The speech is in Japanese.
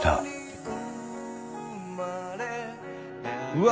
うわ！